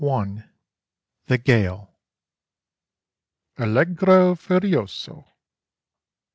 THE GALE _Allegro furioso.